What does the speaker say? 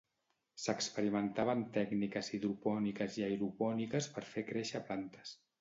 S'experimentava amb tècniques hidropòniques i aeropòniques per fer créixer plantes